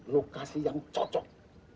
lokasi yang cocok